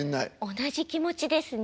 同じ気持ちですね。